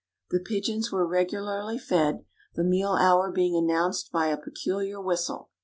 The pigeons were regularly fed, the meal hour being announced by a peculiar whistle.